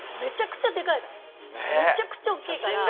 めちゃくちゃ大っきいから。